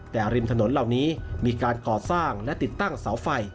แต่ริมถนนเหล่านี้มีการก่อสร้างและติดตั้งเสาไฟ